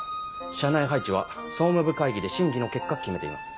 社内配置は総務部会議で審議の結果決めています。